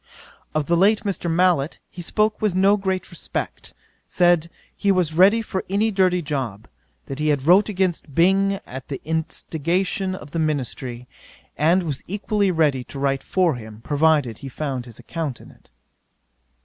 'Of the late Mr. Mallet he spoke with no great respect: said, he was ready for any dirty job: that he had wrote against Byng at the instigation of the ministry, and was equally ready to write for him, provided he found his account in it.